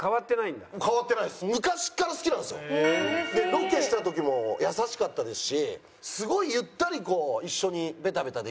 ロケした時も優しかったですしすごいゆったり一緒にベタベタできるというか。